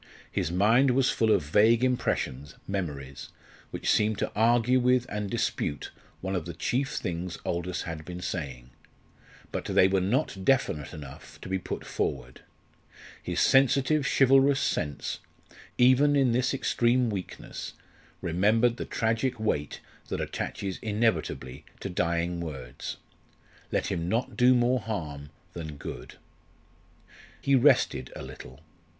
His mind was full of vague impressions, memories, which seemed to argue with and dispute one of the chief things Aldous had been saying. But they were not definite enough to be put forward. His sensitive chivalrous sense, even in this extreme weakness, remembered the tragic weight that attaches inevitably to dying words. Let him not do more harm than good. He rested a little.